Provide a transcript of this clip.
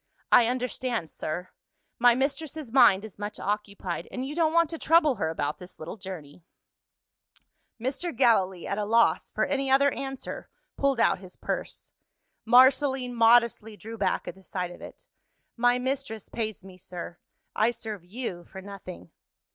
"I understand, sir: my mistress's mind is much occupied and you don't want to trouble her about this little journey." Mr. Gallilee, at a loss for any other answer, pulled out his purse. Marceline modestly drew back at the sight of it. "My mistress pays me, sir; I serve you for nothing."